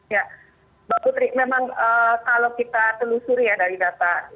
ya mbak putri memang kalau kita telusuri ya dari data